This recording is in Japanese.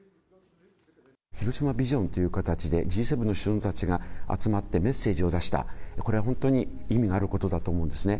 広島ビジョンという形で、Ｇ７の首脳たちが集まって、メッセージを出した、これは本当に意味があることだと思うんですね。